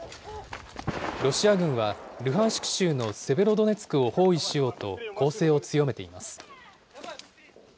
ロシア軍は、ルハンシク州のセベロドネツクを包囲しようと、攻勢を強めています。